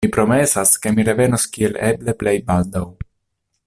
Mi promesas, ke mi revenos kiel eble plej baldaŭ.